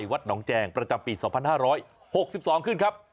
ที่วัดหนองแจงประจำปีส่องพันห้าร้อยหกสิบสองครึ่งครับ